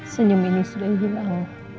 senyum ini sudah hilang